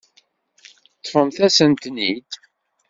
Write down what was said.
Ṭṭfemt-asent-ten-id.